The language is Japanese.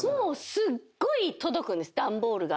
すっごい届くんです段ボールが。